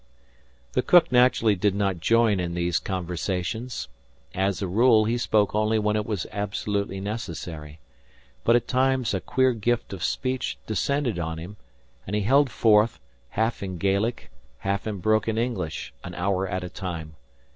The cook naturally did not join in these conversations. As a rule, he spoke only when it was absolutely necessary; but at times a queer gift of speech descended on him, and he held forth, half in Gaelic, half in broken English, an hour at a time.